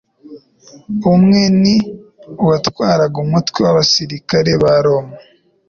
umwe ni uwatwaraga umutwe w'abasirikari b'Abaroma,